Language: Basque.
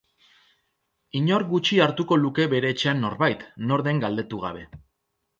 Inork gutxi hartuko luke bere etxean norbait, nor den galdetu gabe.